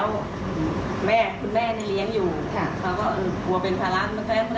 คุณแม่ที่เลี้ยงอยู่เขาก็กลัวเป็นภาระ